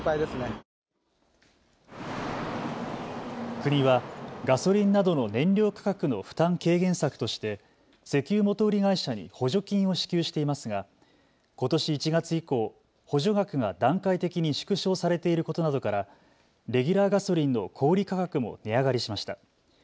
国はガソリンなどの燃料価格の負担軽減策として石油元売り会社に補助金を支給していますがことし１月以降、補助額が段階的に縮小されていることなどからレギュラーガソリンの小売価格も値上がりしました。